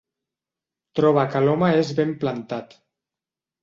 Troba que l'home és ben plantat.